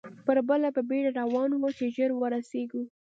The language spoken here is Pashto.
پر پله په بېړه روان وو، چې ژر ورسېږو.